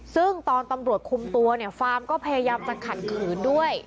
ซึ่งตอนตำรวจคุมตัวเนี่ยฟาร์มก็พยายามจะขัดขืนด้วย